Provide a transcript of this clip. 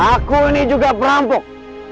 aku ini juga perampok